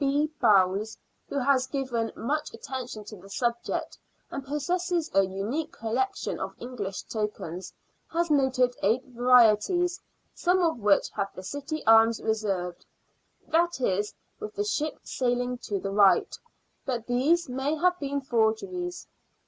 B. Bowles, who has given much attention to the subject, and possesses a unique collection of English tokens, has noted eight varieties, some of which have the city arms reversed, that is, with the ship sailing to the right, but these may have been forgeries.